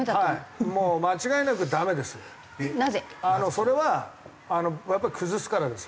それはやっぱり崩すからです